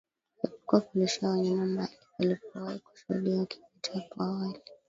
Epuka kulisha wanyama mahali palipowahi kushuhudiwa kimeta hapo awali